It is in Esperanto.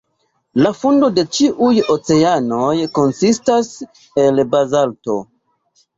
La fundo de ĉiuj oceanoj konsistas el bazalto.